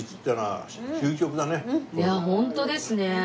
いやホントですね。